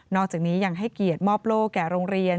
อกจากนี้ยังให้เกียรติมอบโลกแก่โรงเรียน